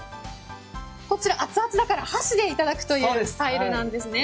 こちらアツアツだから箸でいただくスタイルなんですね。